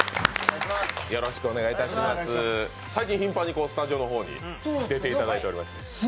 最近、頻繁にスタジオの方に出ていただいてます。